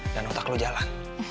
dan otak lo jalan